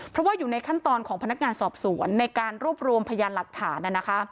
เพราะว่าอยู่ในขั้นตอนของพนักงานสอบสวนในการรวบรวมพยานหลักฐาน